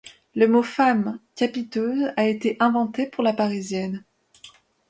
Le mot femme capiteuse a été inventé pour la Parisienne.